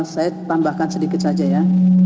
saya tambahkan sedikit saja ya